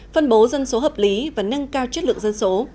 phân bố dân số hợp lý và nâng cao chất lượng dân số